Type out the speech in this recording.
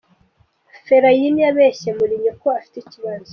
Fellaini yabeshye Mourinho ko afite ikibazo.